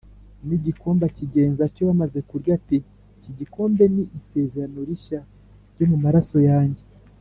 n’igikombe akigenza atyo, bamaze kurya ati, iki gikombe ni isezerano rishya ryo mu maraso yanjye,